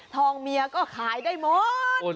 เมียก็ขายได้หมด